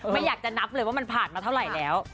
ไม่อยากจะนับเลยว่ามันผ่านมาเท่าไหร่แล้ว